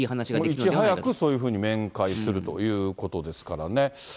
いち早く、そういうふうに面会するということですからね。